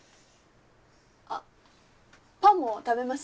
あっパンも食べます？